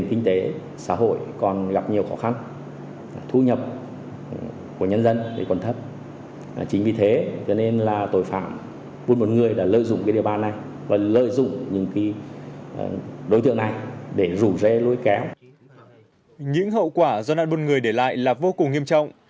những hậu quả do nạn buôn người để lại là vô cùng nghiêm trọng